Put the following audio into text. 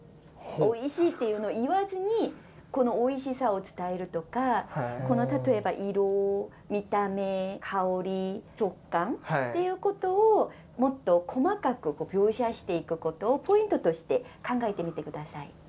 「おいしい」っていうのを言わずにこのおいしさを伝えるとか例えば色見た目香り食感っていうことをもっと細かく描写していくことをポイントとして考えてみて下さい。